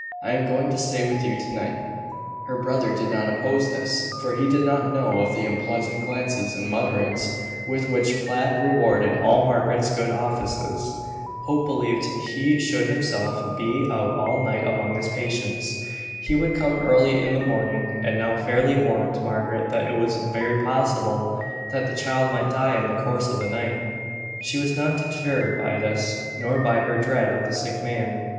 I am going to stay with you to night." Her brother did not oppose this, for he did not know of the unpleasant glances and mutterings, with which Platt rewarded all Margaret's good offices. Hope believed he should himself be out all night among his patients. He would come early in the morning, and now fairly warned Margaret that it was very possible that the child might die in the course of the night. She was not deterred by this, nor by her dread of the sick man.